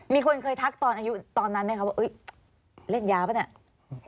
มีคนเคยทักตอนอายุตอนนั้นไหมครับว่าเล่นยาป่ะเนี่ย